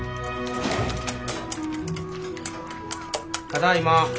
ただいま。